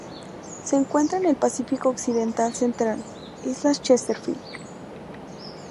Se encuentra en el Pacífico occidental central: Islas Chesterfield.